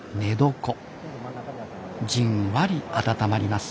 じんわり温まります。